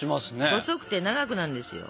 細くて長くなんですよ。